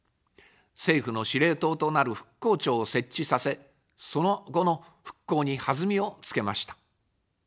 政府の司令塔となる復興庁を設置させ、その後の復興に弾みをつけました。